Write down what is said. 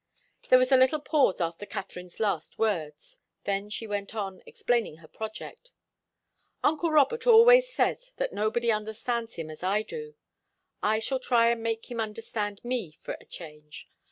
There was a little pause after Katharine's last words. Then she went on, explaining her project. "Uncle Robert always says that nobody understands him as I do. I shall try and make him understand me, for a change.